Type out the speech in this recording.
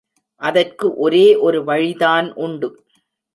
அதற்கு ஒரே ஒரு வழிதான் உண்டு.